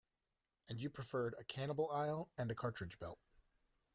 And you preferred a cannibal isle and a cartridge belt.